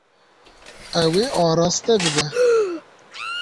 Ew ê araste bibe.